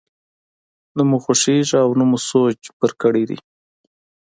نه مو خوښېږي او نه مو سوچ پرې کړی دی.